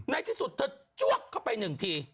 ในที่สุดเธอจ้วกเข้าไปหนึ่งที